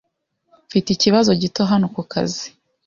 Mfite ikibazo gito hano kukazi.